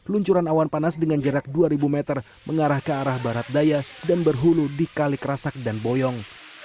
luncuran awan panas dengan jarak dua ribu meter mengarah ke arah barat daya dan berhulu di kalik rasak dan boyong